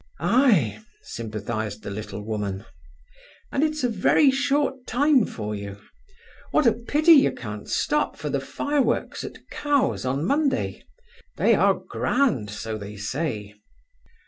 "Ay," sympathized the little woman. "And it's a very short time for you. What a pity ye can't stop for the fireworks at Cowes on Monday. They are grand, so they say."